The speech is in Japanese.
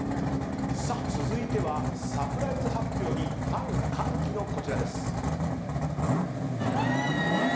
続いてはサプライズ発表にファン歓喜のこちらです。